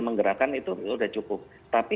menggerakkan itu sudah cukup tapi